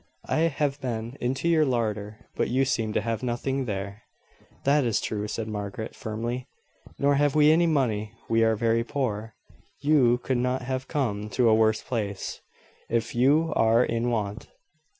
"I have been into your larder, but you seem to have nothing there." "That is true," said Margaret, firmly; "nor have we any money. We are very poor. You could not have come to a worse place, if you are in want."